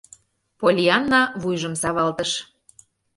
— Поллианна вуйжым савалтыш.